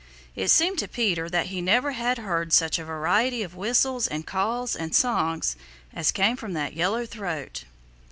It seemed to Peter that he never had heard such a variety of whistles and calls and songs as came from that yellow throat.